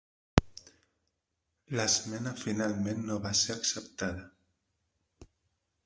L'esmena finalment no va ser acceptada.